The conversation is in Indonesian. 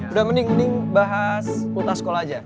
udah mending mending bahas utas sekolah aja